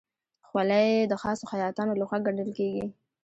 خولۍ د خاصو خیاطانو لهخوا ګنډل کېږي.